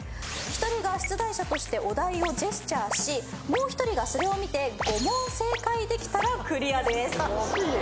１人が出題者としてお題をジェスチャーしもう１人がそれを見て５問正解できたらクリアです。